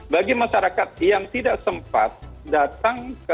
bagi masyarakat yang tidak sempat datang ke